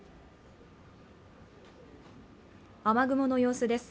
雨雲の様子です。